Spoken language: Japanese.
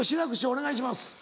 お願いします。